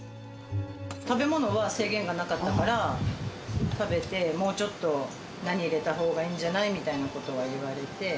食べ物は制限がなかったから、食べて、もうちょっと何入れたほうがいいんじゃないみたいなことは言われて。